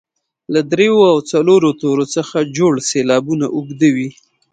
له دریو او څلورو تورو څخه جوړ سېلابونه اوږده وي.